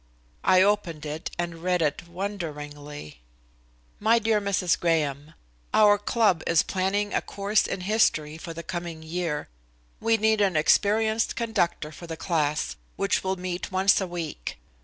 I opened it and read it wonderingly. "My dear Mrs. Graham: "Our club is planning a course in history for the coming year. We need an experienced conductor for the class, which will meet once a week.